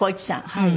はい。